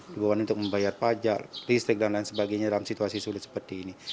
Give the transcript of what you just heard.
dibawakan untuk membayar pajak listrik dan lain sebagainya dalam situasi sulit seperti ini